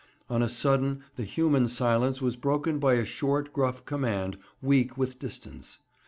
On a sudden the human silence was broken by a short, gruff command, weak with distance.